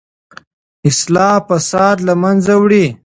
اصلاح فساد له منځه وړي.